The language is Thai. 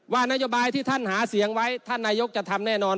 นโยบายที่ท่านหาเสียงไว้ท่านนายกจะทำแน่นอน